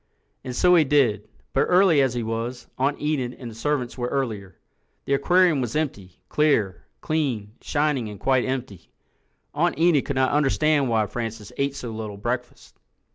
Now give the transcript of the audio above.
And so he did—but early as he was, Aunt Enid and the servants were earlier. The aquarium was empty—clear, clean, shining and quite empty. Aunt Enid could not understand why Francis ate so little breakfast.